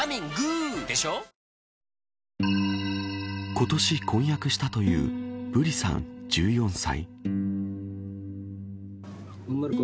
今年、婚約したというブリさん１４歳。